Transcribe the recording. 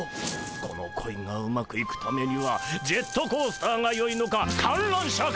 この恋がうまくいくためにはジェットコースターがよいのか観覧車か。